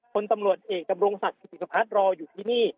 คนตำรวจเอกตำรงศักดิ์ศิษภิกษภัทรรออยู่ที่นี่